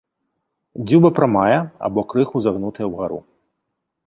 Дзюба прамая або крыху загнутая ўгару.